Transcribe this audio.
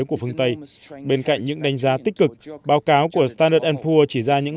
của phương tây bên cạnh những đánh giá tích cực báo cáo của standard poor s chỉ ra những